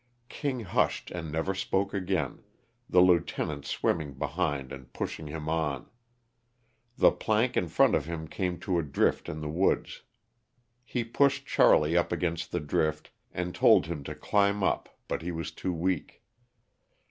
King hushed and never spoke again, the lieutenant swimming behind and pushing him on. The plank in front of him came to a drift in the woods. He pushed Charlie up against the drift and told him to climb up but he was too weak.